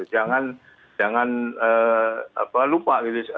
jangan lupa gitu